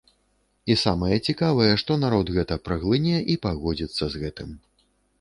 І самае цікавае, што народ гэта праглыне і пагодзіцца з гэтым.